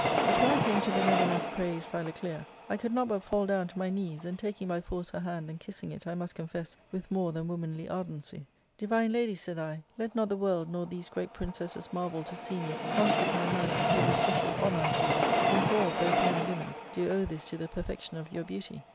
But when I came to the never enough praised Philoclea, I could not but fall down on my knees, and taking by force her hand, and kissing it, I must confess, with more than womanly ardency, * Divine lady,* said I, * let not the world nor these great princesses marvel to see me, contrary to my manner, do this special honour unto you, since all, both men and women, do owe this to the perfection of your beauty.